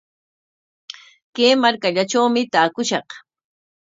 Kay markallatrawmi taakushaq.